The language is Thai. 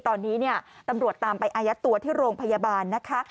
ตอนนี้เนี่ยตำรวจตามไปอายัดตัวที่โรงพยาบาลนะคะ